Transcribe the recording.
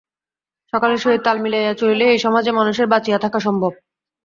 সকলের সহিত তাল মিলাইয়া চলিলেই এ-সমাজে মানুষের বাঁচিয়া থাকা সম্ভব।